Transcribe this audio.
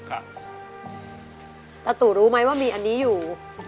ตาตู่รู้ไหมว่ามีอันนี้อยู่